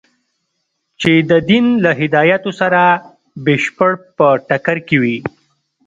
چې د دین له هدایاتو سره بشپړ په ټکر کې وي.